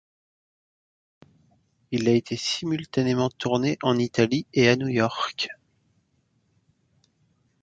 Il a été simultanément tourné en Italie et à New York.